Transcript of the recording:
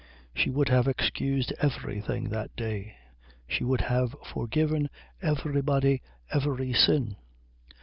She would have excused everything that day. She would have forgiven everybody every sin.